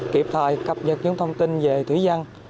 kịp thời cập nhật những thông tin về thủy dân